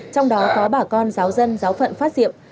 trong đó có bà con giáo dân giáo phận phát diệm